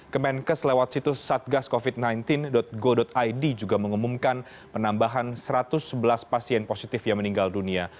kemenkes lewat situs satgascovid sembilan belas go id juga mengumumkan penambahan satu ratus sebelas pasien positif yang meninggal dunia